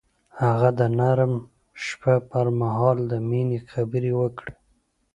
هغه د نرم شپه پر مهال د مینې خبرې وکړې.